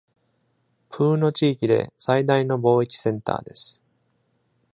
プーノ地域で最大の貿易センターです。